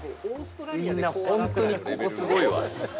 みんな、ほんとに、ここ、すごいわ。